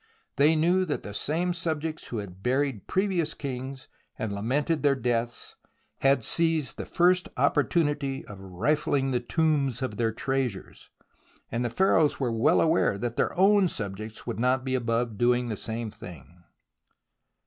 They knew that the same subjects who had buried previous kings and lamented their deaths, had seized the first opportunity of rifling the tombs of their treasures, and the Pharaohs were well aware that their own subjects would not be above doing the same thing.